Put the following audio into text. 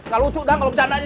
gak lucu dang kalo bercanda aja